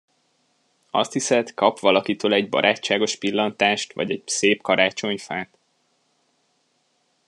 Azt hiszed, kap valakitől egy barátságos pillantást vagy egy szép karácsonyfát?